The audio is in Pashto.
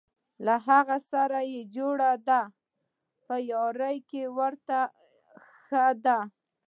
هغسې یې سره جوړه ده په یاري کې ورته ښه دي.